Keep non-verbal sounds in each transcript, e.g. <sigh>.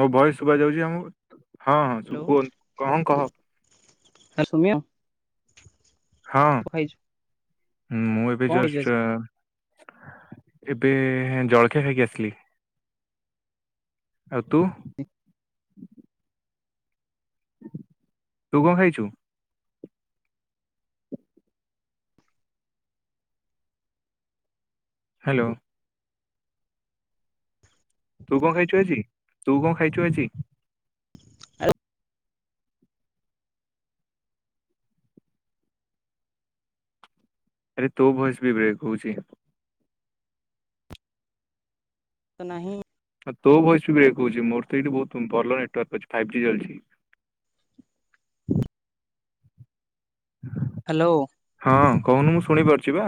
ମୋ ବଏସ୍ ଶୁବା ଯାଉଚି ଆମକୁ, ହଁ, ହଁ ଶୁ ହ୍ୟାଲୋ କୁହନ୍ତୁ, କହଂ କହ। <inaudible> ସୌମ୍ୟ। ହଁ ମୁଁ ଏବେ କଣ ଖାଇଛୁ ଜଷ୍ଟ ଏବେ ହେଁ ଜଳଖିଆ ଖାଇକି ଆସିଲି। ଆଉ ତୁ? ତୁ କଣ ଖାଇଛୁ? ହ୍ୟାଲୋ। ତୁ କଣ ଖାଇଛୁ ଆଜି, ତୁ କଣ ଖାଇଛୁ ଆଜି? ଆ <inaudible> ଆରେ ତୋ ଭଏସ୍ ବି ବ୍ରେକ୍ ହଉଛି। ତ ନାହିଁ। ଆ, ତୋ ଭଏସ୍ ବି ବ୍ରେକ୍ ହଉଛି। ମୋର ତ ଏଇଠି ବହୁତ ଭଲ ନେଟୱାର୍କ ଅଛି, ଫାଇଭ୍ ଜି ଚାଲିଚି। ହ୍ୟାଲୋ। ହଁ କହୁନୁ ମୁଁ ଶୁଣିପାରୁଛି ପା।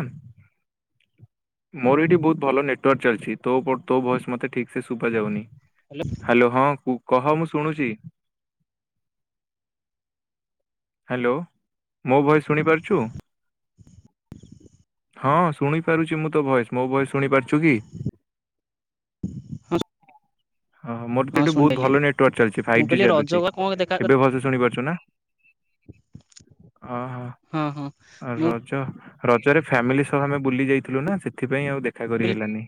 ମୋର ଏଇଠି ବହୁତ୍ ଭଲ ନେଟୱାର୍କ ଚାଲିଛି ତୋ ପ ତୋ ଭଏସ ମତେ ଠିକ୍ ସେ ସୁୁବା ଯାଉନି। ହ୍ୟାଲୋ ହଁ କହ ମୁଁ ଶୁଣୁଛି। ହ୍ୟାଲୋ ମୋ ଭଏସ୍ ଶୁଣିପାରୁଛୁ? <inaudible> ହଁ ଶୁଣି ପାରୁଛି ମୁଁ ତ ଭଏସ୍ ମୋ ଭଏସ୍ ଶୁଣି ପାରୁଛୁ କି? ହଁ ମୋର ତ ହଁ ଏଠି ବହୁତ୍ ଶୁଣିପାରିଲି ଭଲ ନେଟୱାର୍କ ଚାଲିଛି ମୁଁ ଫାଇଭ୍ ଜି କହିଲି ରଜ ଚାଲୁଛି। ଗ କଣ ଦେଖା ଏବେ ଭଲସେ ଶୁଣି ପାରୁଛୁ ନା ହଁ ହଁ। ହଁ ହଁ। ମୁଁ ରଜ ରଜରେ ଫ୍ୟାମିଲି ସହ ଆମେ ବୁଲି ଯାଇଥିଲୁ ନା ସେଥିପାଇଁ ଆଉ ଦେଖା କରି କହିଲି ହେଲାନି।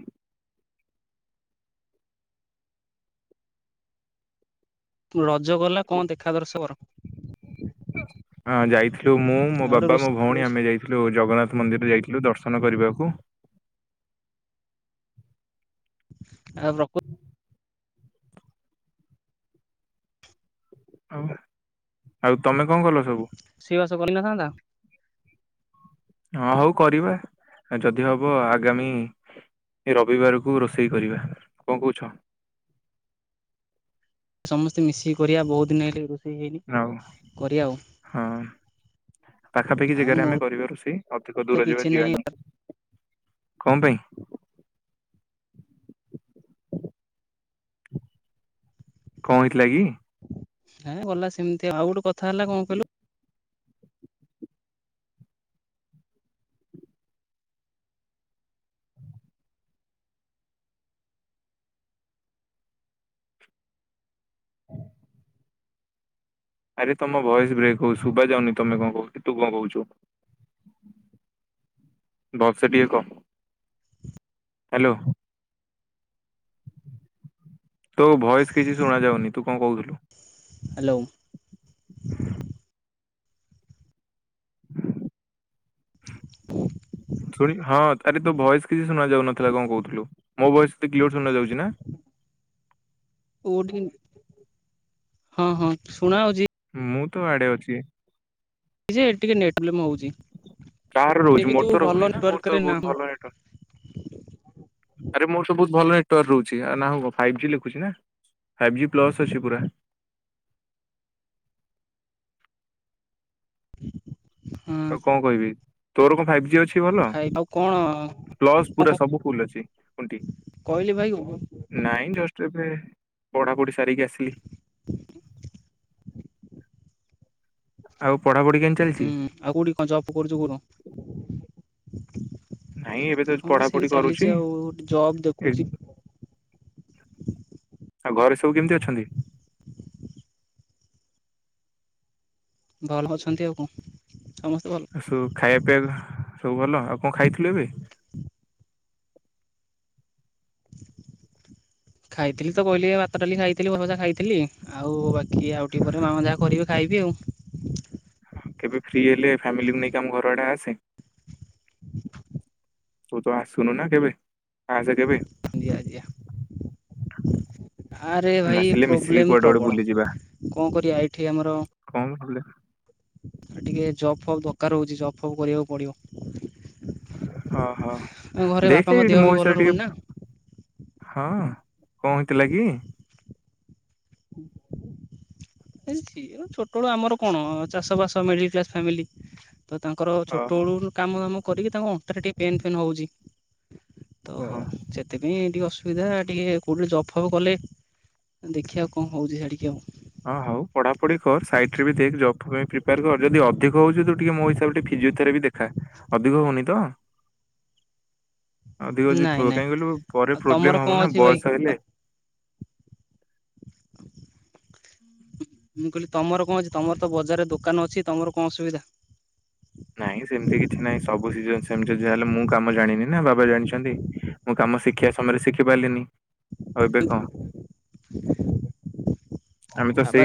ରଜ ଗଲା କଣ ଦେଖା ଦର୍ଶ <unintelligible> ହଁ ଯାଇଥିଲୁ ମୁଁ ମୋ ଆଉ ଗୋଟେ ବାପା ମୋ ଭଉଣୀ ରୋଷେଇ ଆମେ ଯାଇଥିଲୁ। ଯୋଉ ଜଗନ୍ନାଥ ମନ୍ଦିର ଯାଇଥିଲୁ ଦର୍ଶନ କରିବାକୁ। ଆଉ <unintelligible> ଆଉ ତମେ କଣ କଲ ସବୁ? ରୋଷେଇ ବାସ କରିନଥାନ୍ତା। ହଁ ହଉ କରିବା ଯଦି ହବ ଆଗାମୀ ଏ ରବିବାରକୁ ରୋଷେଇ କରିବା କଣ କହୁଛ? ସମସ୍ତେ ମିଶିକି କରିବା ବହୁତ୍ ଦିନି ହେଇନି ରୋଷେଇ ହେଇନି ଆଉ କରିବା ଆଉ। ହଁ ପାଖାପାଖି ଆଉ ଜାଗାରେ ଆମେ ମୋର କରିବା ରୋଷେଇ ଅଧିକ ତ ଦୂର ଯିବା କିଛି ଯାଏ ଯିବାନି। କଣ ପାଇଁ? କଣ ହେଇଥିଲା କି? ହେଁ ଗଲା ସେମତି ଆଉ ଗୋଟେ କଥା ହେଲା କଣ କହିଲୁ ଆରେ ତମ ଭଏସ୍ ବ୍ରେକ୍ ହଉଚି ଶୁଭା ଯାଉନି ତମେ କଣ କହୁଛ ତୁ କଣ କହୁଛୁ? ଭଲ ସେ ଟିକେ କହ। ହ୍ୟାଲୋ ତୋ ଭଏସ୍ କିଛି ଶୁଣା ଯାଉନି ତୁ କଣ କହୁଥିଲୁ? ହ୍ୟାଲୋ <inaudible> <inaudible> ଶୁଣି ହଁ ଆରେ ତୋର ଭଏସ୍ କିଛି ଶୁଣା ଯାଉନଥିଲା କଣ କହୁଥିଲୁ ମୋ ଭଏସ୍ ତତେ କ୍ଲିଅର ଶୁଣା ଯାଉଛି ନା। କୋଉଠି ହଁ ହଁ ଶୁଣା ହଉଛି। ମୁଁ ତ ଆଡେ ଅଛି। ଯେ ଟିକେ ନେଟ୍ଲେମ୍ ହଉଛି। ତା ର ରହୁଛି ଯେହେତୁ ମୋର ତ ଭଲ ରହୁନି ନା ମୋର ନେଟୱାର୍କରେ ତ ବହୁତ୍ ନାହିଁ ଭଲ ନେଟ୍- ଆରେ ମୋର ସବ ବହୁତ ଭଲ ନେଟୱାର୍କ ରହୁଛି ନାଁ ଫାଇବଜି ଲେଖୁଛି ନା। ଫାଇଭ୍ ଜି ପ୍ଲସ୍ ଅଛି ପୁରା। ଆଉ ହଁ କଣ କହିବି ତୋର କଣ ଫାଇଭ୍ ଜି ଅଛି। ଶୁଭୁଛି ଭଲ ଭାଇ ଆଉ କଣ ପ୍ଲସ୍ କଣ ପୁରା ସବୁ ଫୁଲୁ ଅଛି ଖୁଣ୍ଟି। କହିଲି ଭାଇ ହୁଁ ନାଇଁ ଜଷ୍ଟ୍ ଏବେ ପଢ଼ାପୁଢ଼ି ସାରିକି ଆସିଲି। ଆଉ ପଢ଼ାପଢ଼ି କେମିତି ଚାଲିଚି? ଆଉ କୋଉଠି କଣ ଜବ୍ କରୁଛ କହୁନ? ନାଇଁ ଏବେ ତ ହଁ ପଢାପଢି ସେଇ କରୁଛି ଚାଲିଛି ଆଉ ଜବ୍ ଏ ଦେଖୁଛି। ଆଉ ଘରେ ସବୁ କେମିତି ଅଛନ୍ତି? ଭଲ ଅଛନ୍ତି ଆଉ କ ସମସ୍ତେ ଭଲ ଆଉ ସବୁ ଖାଇବା ପିଇବା ସବୁ ଭଲ ଆଉ କଣ ଖାଇଥିଲୁ ଏବେ? <inaudible> ଖାଇଥିଲି ତ କହିଲି ଏ ଭାତ, ଡାଲି ଖାଇଥିଲି ଭଜା ଖାଇଥିଲି। ଆଉ ବାକି ଆଉ ଟିକେ ପରେ ମାମା ଯାହା କରିବେ ଖାଇବି ଆଉ। କେବେ ଫ୍ରି ହେଲେ ଫ୍ୟାମିଲିକୁ ନେଇକି ଆମ ଘର ଆଡ଼େ ଆସେ। <inaudible> ତୁ ତ ଆସୁନୁ ନା କେବେ। ଆସେ କେବେ। <inaudible> ଆରେ ହୁଁ, ଭାଇ ଆସିଲେ ମିଶିକି ପ୍ରୋବ୍ଲେମ୍ କୁଆଡେ ଗୋଟେ ପ୍ରବଳ, ବୁଲିଯିବା ଙ୍କ କରିବା ଏଇଠି ଆମର। <inaudible> ଟିକେ ଜବ୍ ଫବ୍ ଦକାର୍ ହଉଚି, ଜବ୍ ଫବ୍ କରିବାକୁ ପଡ଼ିବ। ଅହ, ଦେଖେ ବାପାଙ୍କ ଦେହ ମୋ ବି ଭଲ ହିସାବ୍ ରେ ରହୁନି ନା। ଟିକେ ହଁ, ଙ୍କ ହଉଥିଲା କି? <unintelligible> ଛୋଟବଳୁ ଆମର କ'ଣ ଚାଷ ବାସ ମିଡ଼ିଲ୍ କ୍ଲାସ୍‌ ଫ୍ୟାମିଲି। ତ ତାଙ୍କର ଛୋଟ ଓହୋ ବଳୁରୁ କାମ ଦାମ କରିକି, ତାଙ୍କ ଅଣ୍ଟାରେ ଟିକେ ପେନ୍ ଫେନ୍ ହଉଚି। <inaudible> ହଁ ଟିକେ କଉଠି ଜବ୍ ଫବ୍ କଲେ, ଦେଖିଆ କ'ଣ ହଉଚି କି ଆଉ। ହଁ ହଉ ପଢ଼ାପଢ଼ି କର୍, ସାଇଟ୍ ରେ ବି ଦେଖ୍, ଜବ୍ ପାଇଁ ପ୍ରିପାର୍ କର୍। ଯଦି ଅଧିକ ହଉଚି ତୁ ଟିକେ ମୋ ହିସାବ୍ ରେ ଫିଜିଓଥେରାପି ଦେଖା, ଅଧିକ ହଉନି ତ। ଅଧିକ, ନାଇଁ କାଇଁ ନାଇଁ କହିଲୁ ପରେ ଆଉ ତମର ପ୍ରୋବ୍ଲେମ୍ କଣ ହବ ନା ଅଛି ଭାଇ? ବୟସ ହେଲେ। <inaudible> ତମର୍ ତ ବଜାରରେ ଦୋକାନ ଅଛି, ତମର ଙ୍କ ଅସୁୁବିଧା? ନାଇଁ ସେମ୍ତି କିଛି ନାଇଁ, ସବୁ---------ଯାହେଲେ ମୁଁ କାମ ଜାଣିନି ନା, ବାବା ଜାଣି ଚନ୍ତି, ମୁଁ କାମ ଶିଖିବା ସମୟରେ ଶିଖି ପାର୍ଲିନି। ବାବା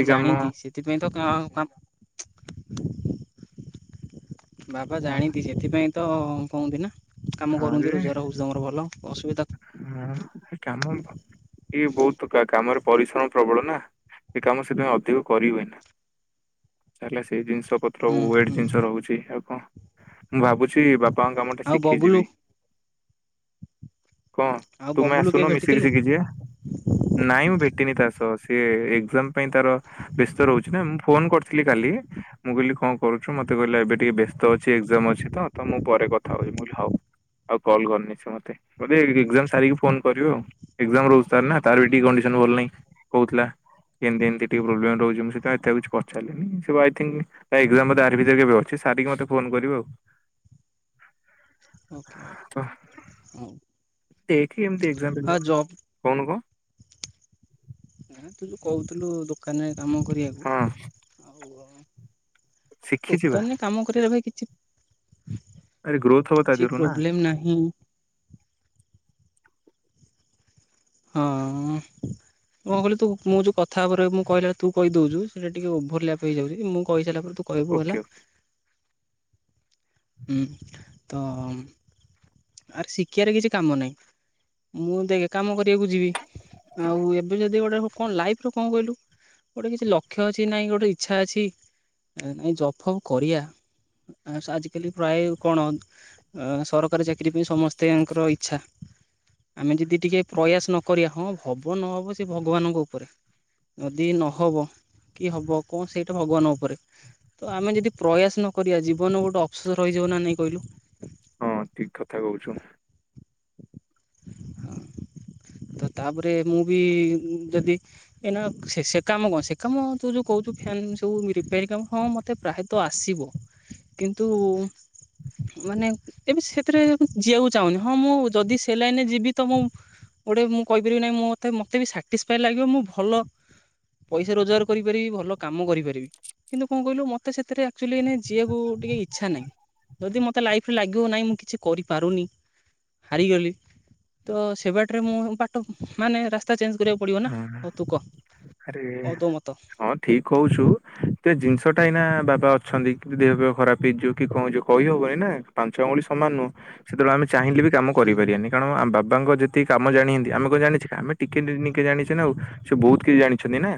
<unintelligible> <inaudible> <inaudible> କାମ କରନ୍ତି, ରୋଜଗାର ହଁ ଯେ ହଉଚି ତମର ଭଲ। ଅସୁବି ହଁ କାମ ଇଏ ବଉତ୍ କାମରେ ପରିଶ୍ରମ ପ୍ରବଳ ନା, ଏ କାମ ସେଥିପାଇଁ ଅଧିକ କରିହୁଏ। ହୁଁ ହୁଁ <inaudible> ଶିଖିଯିବି <inaudible> ଆଉ ତୁମେ ବବୁଲୁ କେବେ ଆସୁନ, ମିଶିକି ଭେଟିଥିଲୁ ଶିଖିଯିବା। ନାଇଁ ମୁଁ ଭେଟିନି ତା' ସହ। ସିଏ ଏକ୍ଜାମ୍ ପାଇଁ ତା'ର ବ୍ୟସ୍ତ ରହୁଚି ନା, ମୁଁ ଫୋନ୍‌ କ--ଥିଲି କାଲି। ମୁଁ କହିଲି, କ'ଣ କରୁଚୁ? ମତେ କହିଲା ଏବେ ଟିକେ ବ୍ୟସ୍ତ ଅଛି, ଏକ୍ଜାମ୍ ଅଛି, ତ ମୁଁ ପରେ କଥା ହଉ ମୁଁ କହିଲି ହଉ, ଆଉ କଲ୍ କରିନି ସେ ମତେ, ବଧେ ଏକ୍ଜାମ୍ ସାରିକି ଫୋନ୍ କରିବ ଆଉ। ଏକ୍ଜାମ୍ ରହୁଚି ତାର୍ ନା, ତା'ର ବି ଟିକେ କଣ୍ଡିସନ୍‌ ଭଲ୍ ନାହିଁ କହୁ--ଲା। ଏ---ତି ଟିକେ ପ୍ରୋବ୍ଲେମ୍ ରହୁଚି, ଏତେ ଆଉ କିଛି ପଚାରିଲିନି। ତା ଏକ୍ଜାମ୍ ବଧେ ୟାରି ଭିତରେ କେବେ ଅଛି, ସାରିକି ମୋତେ ଫୋନ୍‌ କରିବ ଆଉ। <inaudible> ହଁ, ହଉ ହଁ ଜବ୍ <unintelligible> ନା ତୁ ଯଉ କ---ଥୁଲୁ ଦୋକାନ୍‌ ରେ କାମ ହଁ ଶିଖିଛି ବା କରିବାକୁ। ଆରେ ଗ୍ରୋଥ <inaudible> ହବ ତା କିଛି ଦେହରୁ ନା ପ୍ରୋବ୍ଲେମ୍ ନାହିଁ। <inaudible> କହିଲୁ ତୁ ମୁଁ ଯଉ କଥା ମୁଁ କ---ଲା ବେଳେ ତୁ କହି ଦଉଚୁ, ସେ ଟିକେ ଓଭରଲ୍ୟାପ୍ ହେଇଯାଉଚି। ମୁଁ କହି ସାଇଲା ପରେ ତୁ କଇବୁ ଓକେ ହେଲା। ଓକେ <inaudible> ଆରେ ଶିକିବାରେ କିଛି କାମ ନାଇଁ, ମୁଁ ଦେଖେ କାମ କରିବାକୁ ଯିବି। ଆଉ ଏବେ ଯଦି ଲାଇଫ୍ ର କ'ଣ କହିଲୁ, ଗୋଟେ କିଛି ଲକ୍ଷ୍ୟ ଅଛି ନାଇଁ ଗୋଟେ ଇଚ୍ଛା ଅଛି। ଜବ୍, ଫବ୍ କରିବା ଆଜି, କାଲି ପ୍ରାୟ କଣ ସରକାରୀ ଚାକିରୀ ପାଇଁ ସମସ୍ତଙ୍କର ଇଚ୍ଛା। ଆମେ ଯଦି ଟିକେ ପ୍ରୟାସ ନ କରିବା ହଁ ହବ ନ ହବ ସେ ଭଗବାନଙ୍କ ଉପରେ। ଯଦି ନହବ କି ହବ କଉ ସେଇଟା ଭଗବାନ ଉପରେ। ତ ଆମେ ଯଦି ପ୍ରୟାସ ନ କରିବା ଜୀବନରେ ଗୋଟେ ଅଫସୋସ ରହିଯିବ ନା ନାହିଁ କହିଲୁ। ହଁ, ଠିକ୍ କଥା କହୁଛୁ। <inaudible> ତ ତାପରେ ମୁଁ ବି ଯଦି ଏ ନା ସେ ସେ କାମ କଣ ସେ କାମ ତୁ ଯେଉଁ କହୁଛୁ ଫ୍ୟାନ୍ ସବୁ ରିପେୟାରିଂ କାମ ହଁ ମୋତେ ପ୍ରାୟତଃ ତ ଆସିବ କିନ୍ତୁ ମାନେ ଏବେ ସେଥିରେ ମୁଁ ଯିବାକୁ ଚାହୁଁନି, ହଁ, ମୁଁ ଯଦି ସେ ଲାଇନରେ ଯିବି ତ ମୁଁ ଗୋଟେ ମୁଁ କହିପାରିବି ନାହିଁ ମତେ, ମତେ ବି ସାଟିସ୍ ଫାୟ ଲାଗିବ ମୁଁ ଭଲ ପଇସା ରୋଜଗାର କରିପାରିବି ଭଲ କାମ କରିପାରିବି। କିନ୍ତୁ କଣ କହିଲୁ ମତେ ସେଥିରେ ଆକ୍ଚୁଆଲି ଏଇନା ଯିବାକୁ ଟିକେ ଇଚ୍ଛା ନାହିଁ। ଯଦି ମତେ ଲାଇଫରେ ଲାଗିବ ନାହିଁ ମୁଁ କିଛି କରିପାରୁନି ହାରିଗଲି ତ ସେ ବାଟରେ ମୁଁ ବାଟ ମାନେ ରାସ୍ କଥା ଚେଞ୍ଜ କରିବାକୁ ପଡିବ ନା ହଁ ହଉ ତୁ କହ କଣ ତୁ ମତ ଠିକ୍ କହୁଛୁ। ତ ଏ ଜିନିଷ ଟା ଏଇନା ବାବା ଅଛନ୍ତି କି ଦେହ ଖରାପ ହେଇଯିବ କି କଣ ହେଇଯିବ କହିହବନି ନା ପାଞ୍ଚ ଅଙ୍ଗୁଳି ସମାନ ନୁହଁ। ସେତେବେଳେ ଆମେ ଚାହିଁଲେ ବି କାମ ହୁଁ କରିପାରିବାନି, କାରଣ ଆମ ବାବାଙ୍କ ଯେତିକି କାମ ଜାଣିଛନ୍ତି ଆମେ କଣ ଜାଣିଛେ, ଆମେ ଟିକେ ଟିକେ ଜାଣିଛନ୍ତି ଆଉ ସେ ବହୁତ କିଛି ଜାଣିଛନ୍ତି ନା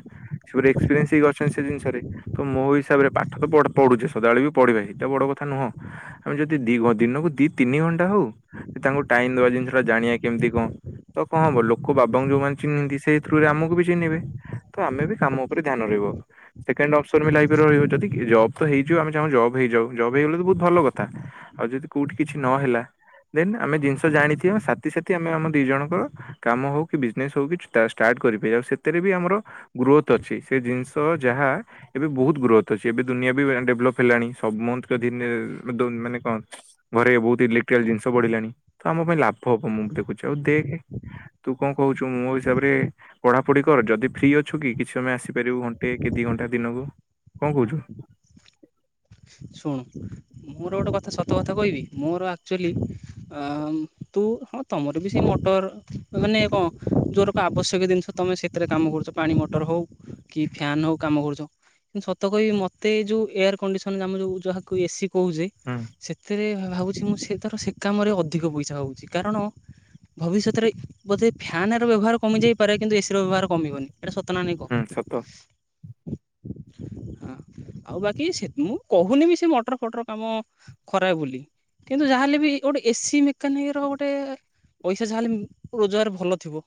ସେ ଏକ୍ସପିରିଏନ୍ସ ହେଇକି ଅଛନ୍ତି ସେ ଜିନିଷରେ। ତ ମୋ ହିସାବରେ ପାଠ ତ ପଢ଼, ପଢୁଛେ ସଦାବେଳେ ବି ପଢିବା ସେଇଟା ବଡ କଥା ନୁହଁ। ଆମେ ଯଦି ଦି ଦିନକୁ ଦି ତିନି ଘଣ୍ଟା ହଉ ତାଙ୍କୁ ଟାଇମ ଦବା ଜିନିଷ ଟା ଜାଣିବା କେମିତି କଣ ତ କଣ ହବ ଲୋକ ବାବାଙ୍କୁ ଯୋଉମାନେ ଚିହ୍ନିନ୍ତି ସେଇ ଥିରୁ ଆମକୁ ବି ଚିହ୍ନିବେ ତ ଆମେ ବି କାମ ଉପରେ ଧ୍ୟାନ ରହିବ। ସେକେଣ୍ଡ ଅପ୍ସନ ବି ଲାଇଫ୍ ରେ ରହିବ ଯଦି କି ଜବ୍ ତ ହେଇଯିବ ଆମେ ଚାହୁଁ ଜବ୍ ହେଇଯାଉ ଜବ୍ ହେଇଗଲେ ତ ବହୁତ ଭଲ କଥା। ଆଉ ଯଦି କୋଉଠି କିଛି ନହେଲା ଦେନ୍ ଆମେ ଜିନିଷ ଜାଣି ଥିବା ସାଥିସଥିୀ ଆମେ ଆମ ଦି ଜଣଙ୍କର କାମ ହୋଉ କି ନାଇଁ ସବୁ କିଛି ଷ୍ଟାର୍ଟ କରିପାର ଆଉ ସେଥିରେ ବି ଆମର ଗ୍ରୋଥ୍ ଅଛି ସେ ଜିନିଷ ଯାହା ଏବେ ବହୁତ ଗ୍ରୋଥ୍ ଅଛି ଏବେ ଦୁନିଆ ବି ଡେଭଲପ୍ ହେଲାଣି ସମୁତେ ଦିନେ ମାନେ କଣ ଘରେ ବହୁତ ଇଲେକ୍ଟ୍ରିକାଲ୍ ଜିନିଷ ବଢ଼ିଲାଣି ତ ଆମ ପାଇଁ ଲାଭ ହବ ମୁଁ ଦେଖୁଛି, ଆଉ ଦେଖ୍ ତୁ କଣ କହୁଛୁ, ମୋ ହିସାବରେ ପଢାପଢି କର ଯଦି ଫ୍ରି ଅଛୁ କି, କିଛି ସମୟ ଆସିପାରିବୁ ଘଣ୍ଟେ କି, ଦି ଘଣ୍ଟା ଦିନକୁ କଣ କହୁଛୁ? ଶୁଣୁ ମୋର ଗୋଟେ କଥା ସତ କଥା କହିବି ମୋର ଆକ୍ଚୁଲି ଆଁ ଉଁ ତୁ ହଁ ତମର ବି ସେଇ ମଟର ଯୋଉ ମାନେ କଣ ଯୋଉଗୁରାକ ଆବଶ୍ୟକୀୟ ଜିନିଷ ତମେ ସେଥିରେ କାମ କରୁଛ ପାଣି ମଟର ହଉ। କି ଫ୍ୟାନ ହଉ କାମ କରୁଚ ମୁଁ ସତ କହିବି ମତେ ଏଇ ଯୋଉ ଏୟାର କଣ୍ଡିସନ କାମ ଯୋଉ ଯାହା ଏ ସି କହୁଚି ହୁଁ ସେଥିରେ ଭାବୁଛି ମୁଁ ସେ ତାର ସେ କାମରେ ଅଧିକ ପଇସା ହୋଉଚି, କାରଣ ଭବିଷ୍ୟତରେ ବୋଧେ ଫ୍ୟାନ ର ବ୍ୟବହାର କମି ଯାଇପାରେ କିନ୍ତୁ ଏସି ର ବ୍ୟବହାର କମିବନି। ଏଟା ସତନା ନାହିଁ, କ ହୁଁ ସତ। ହଁ, ଆଉ ବାକି ସେ ଉଁ କହୁନି ବି ସେ ମଟର ଫଟର କାମ, ଖରାପ ବୋଲି। କିନ୍ତୁ ଯାହେଲେ ବି, ଗୋଟେ ଏସି ମେକାନିକ ର ଗୋଟେ ପଇସା ଯାହା ହେଲେ, ରୋଜଗାର ଭଲ ଥିବ।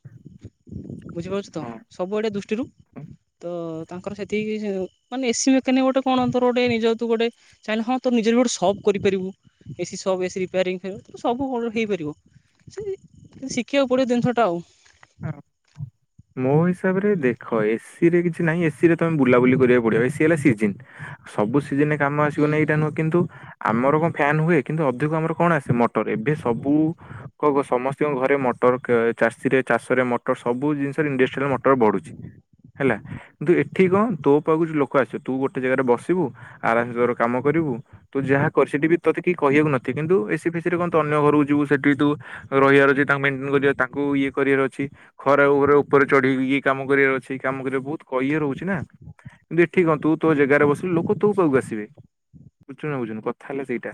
ବୁଝିପାରୁଛ ତ ହଁ। ସବୁଆଡ଼େ ଦୃଷ୍ଟିରୁ ତ ତାଙ୍କର ସେତିକି ଏଇ ଯୋଉ ମାନେ ଏସି ମେକାନିକ୍ ଗୋଟେ କଣ ତୋର ଗୋଟେ ନିଜ ତୁ ଗୋଟେ ଚାହିଁଲେ ହଁ ତୁ ନିଜର ବି ଗୋଟେ ସପ୍ କରିପାରିବୁ। <inaudible> ଶିଖିବାକୁ ପଡ଼ିବ ଦିନ୍‌ଷ ଟା ଆଉ। <inaudible> ମୋ ହିସାବରେ ଦେଖ ଏସି ରେ କିଛି ନାହିଁ ଏସି ରେ ତମେ ବୁଲାବୁଲି କରିବାକୁ ପଡିବ ଏ ସି ହେଲା ସିଜିନ୍ ସବୁ ସିଜିନେ କାମ ହୁଁ ଆସିବନିଁ ହୁଁ ଏଇଟା ନୁହଁ କିନ୍ତୁ ଆମର କଣ ଫ୍ୟାନ ହୁଏ କିନ୍ତୁ ଅଧିକ ଆମର କଣ ଆସେ ମଟର ଏବେ ସବୁ କ ସମସ୍ତଙ୍କ ଘରେ ମଟର କ ଚାଷୀରେ ଚାଷରେ ମଟର ସବୁ ଜିନିଷ ଧୀରେ ଧୀରେ ମଟର ବଢୁଛି ହେଲା। କିନ୍ତୁ ଏଠି କଣ ତୋ ପାଖକୁ କିଛି ଲୋକ ଆସିବ ତୁ ଗୋଟେ ଜାଗାରେ ବସିବୁ ଆରାମସେ ତୋର କାମ କରିବୁ ତୁ ଯାହା କରେ ସେଠି ତତେ କି କହିବାକୁ ନଥିବେ କିନ୍ତୁ ଏସି ଫେଶୀ ରେ କଣ ଅନ୍ୟ ଘରକୁ ଯିବୁ ସେଠି ତୁ ରହିବାର ଅଛି ତାଙ୍କୁ ମେଣ୍ଟେନ ତାଙ୍କୁ ଇଏ କରିବାର ଅଛି ଖରା ଉପରେ ଉପରେ ଚଢିକି ଏ କାମ କରିବାର ଅଛି କାମ କରିବା ବହୁତ ଇଏ ରହୁଛି ନା କିନ୍ତୁ ଠିକନ୍ତୁ ତୋ ଜାଗାରେ ବସିଲୁ ଲୋକ ତୋ ପାଖକୁ ଆସିବେ ବୁଝୁ ବୁଝୁନୁ କଥା ହେଲା ସେଇଟା।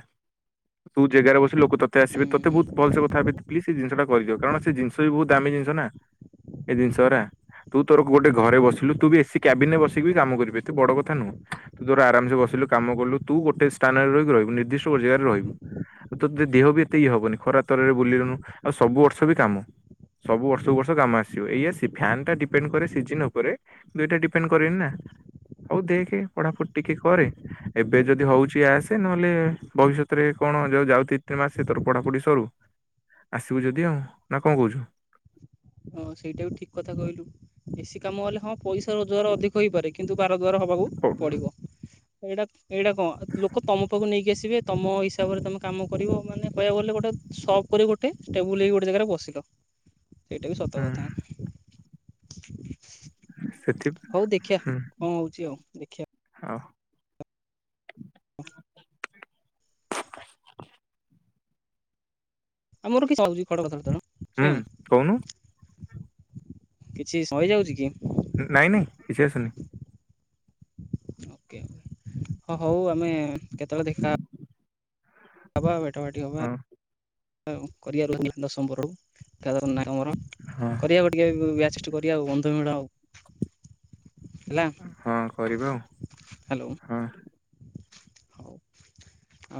ତୁ ଜାଗାରେ ବସିଲୁ ଲୋକ ତ ମତେ ହୁଁ ଆସେ ତତେ ହୁଁ ଭଲସେ କଥାହେବେ ପ୍ଲିଜ ସେ ଜିନିଷଟା କରିିଦିଅ କାରଣ ସେ ଜିନିଷ ବି ବହୁତ ଦାମୀ ଜିନିଷ ନା ଏଇ ଜିନିଷ ଗୁରା ତୁ ତୋର ଗୋଟେ ଘରେ ବସିଲୁ ତୁ ବି ଏସି କ୍ୟାବିନରେ ବସିକି ବି କାମ କରିପାରିବୁ ବଡ କଥା ନୁହଁ। ତୁ ତୋର ଆରାମେ ସେ ବସିଲୁ କାମ କଲୁ ତୁ ଗୋଟେ ସ୍ଥାନରେ ରହିି ରହିବୁ ନିଦ୍ଧିଷ୍ଟ ଗୋଟେ ଜାଗାରେ ରହିବୁ। ଆଉ ତୋ ଦେହ ବି ଏତେ ଇଏ ହବନି ଖରା ତରାରେ ବୁଲିଲନୁ ଆଉ ସବୁ ବର୍ଷ ବି କାମ। ସବୁ ବର୍ଷ କୁ ବର୍ଷ କାମ ଆସୁଥିବ। ଏଇଆ ସେ ଫ୍ୟାନ୍ ଟା ଡିପେଣ୍ଡ କରେ ସିଜିନ ଉପରେ ଦୁଇଟା ଡିପେଣ୍ଡ କରେନି ନା। ହୋଉ ଦେଖେ ପଢାପଢି ଟିକେ କରେ ଏବେ ଯଦି ହଉଛି ଆସେ ନହେଲେ ଭବିଷ୍ୟତରେ କଣ ଯୋଉ ଯାଉ ତିନି ମାସରେ ପଢାପଢି ସରୁ। ଆସିବୁ ଯଦି ଆଉ ନା କଣ କହୁଛୁ? ହଁ ସେଇଟା ବି ଠିକ କଥା କହିଲୁ ବେଶୀ କାମ ହେଲେ ହଁ ପଇସା ରୋଜଗାର ଅଧିକ ହୋଇପାରେ କିନ୍ତୁ ବାର ଦ୍ୱାର ହବାକୁ ହୁଁ ପଡିବ। ଏଇଟା ଏଇଟା କଣ ଲୋକ ତମ ପାଖକୁ ନେଇକି ଆସିବେ ତମ ହିସାବରେ ତମେ କାମ କରିବ ମାନେ କହିବାକୁ ଗଲେ ଗୋଟେ ସପ୍ କରି ଗୋଟେ ଟେବୁଲ ହେଇି ଗୋଟେ ଜାଗାରେ ବସିବ। ସେଇଟା ବି ସ ହଁ। ସେଥି ହଉ ଦେଖିବା ହୁଁ କଣ ହଉଛି ଆଉ ଦେଖିବା। ହଉ। <inaudible> ଆମର କିଛିଉଛି ହୁଁ କହୁନୁ <unintelligible> କିଛି ସହିଯାଉଛି କି? ନାଇଁ ନାଇଁ କିଛି ଆସୁନି। ଓକେ ହଉ ଆମେ କେତେବେଳେ ଦେଖା ହବା ଭେଟ ବାଟି ହବା ହଁ କରିବ ରହୁ ଦଶମ ବରଳକୁ କେଦାର ନକମର କରିବାକୁ ଟିକେ ବ୍ୟାଚ ଫିଷ୍ଟ ଯିବି ଆଉ କଣ ସେଇଥି ମେଳ ହେବ। ହଁ କରିବା ଆଉ ହ୍ୟାଲୋ ହଁ। ହଉ ଆଉ